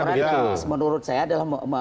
pemikiran laporan yang harus menurut saya adalah